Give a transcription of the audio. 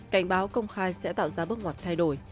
cảnh báo công khai sẽ tạo ra bước ngoặt thay đổi